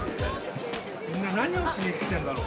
みんな何をしに来てんだろう？